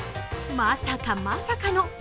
まさかまさかの！